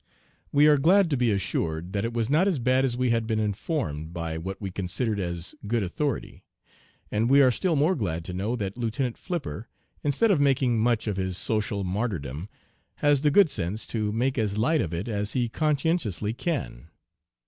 "We are glad to be assured that it was not as bad as we had been informed by what we considered as good authority; and we are still more glad to know that Lieutenant Flipper, instead of making much of his social martyrdom, has the good sense to make as light of it as he conscientiously can.